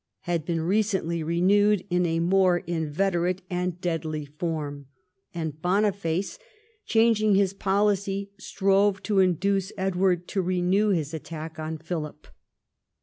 had been recently renewed in a more inveterate and deadly form, and Boniface, changing his policy, strove to induce Edward to renew his attack on Philip.